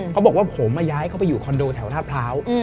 เขาบอกว่าผมย้ายเข้าไปอยู่คอนโดแถวท่าพร้าว